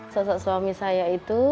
sosok suami saya itu